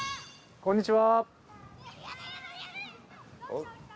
こんにちは。